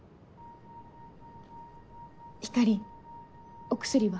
ひかりお薬は？